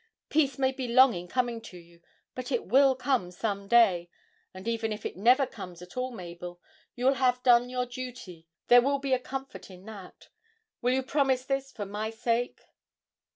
Peace may be long in coming to you but it will come some day, and even if it never comes at all, Mabel, you will have done your duty, there will be a comfort in that. Will you promise this, for my sake?'